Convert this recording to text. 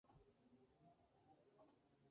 El hijo de Irvin, Dick Irvin, Jr.